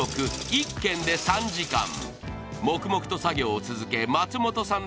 １軒で３時間黙々と作業を続け松本さん